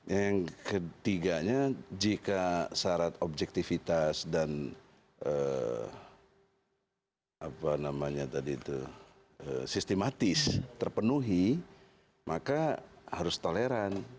yang ketiganya jika syarat objektivitas dan sistematis terpenuhi maka harus toleran